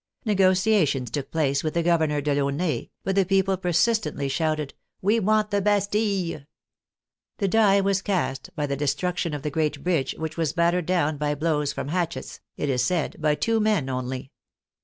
Negotia tions took place with the governor, Delaunay, but the people persistently shouted, *' We want the Bastille !" The die was cast by the destruction of the great bridge, which was battered down by blows from hatchets, it is said, by two men only.